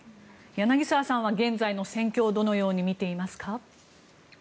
柳澤さんは現在の戦況をどのように見ていますか。